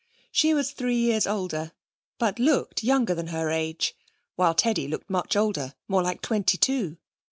She was three years older, but looked younger than her age, while Teddy looked much older, more like twenty two.